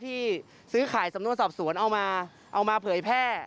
ที่ซื้อขายสำนวนสอบสวนเอามาเอามาเผยแพร่